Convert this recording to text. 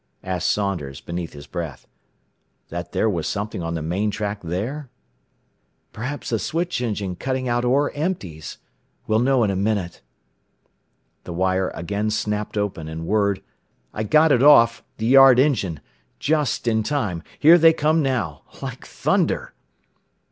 asked Saunders beneath his breath. "That there was something on the main track there?" "Perhaps a switch engine cutting out ore empties. We'll know in a minute." The wire again snapped open, and whirred, "I got it off the yard engine! Just in time! Here they come now! Like thunder!